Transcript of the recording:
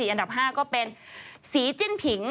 อันดับ๕ก็เป็นสีจิ้นผิง